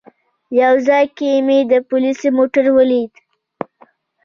یو ځای کې مې د پولیسو موټر ولید.